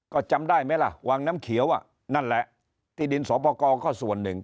ก็จำได้ไหมล่ะวังน้ำเขียวอ่ะนั่นแหละที่ดินสอปกรก็ส่วนหนึ่ง